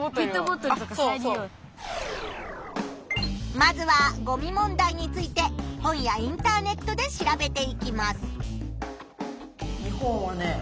まずはゴミ問題について本やインターネットで調べていきます。